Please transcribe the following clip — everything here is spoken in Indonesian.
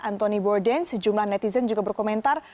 anthony borden sejumlah netizen juga berkomentar